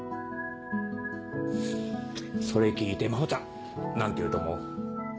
それ聞いて真帆ちゃん何て言うと思う？